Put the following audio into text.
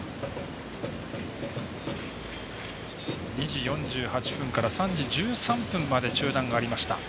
２時４８分から３時１３分まで中断がありました。